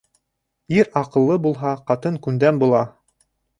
Ир аҡыллы булһа, ҡатын күндәм була.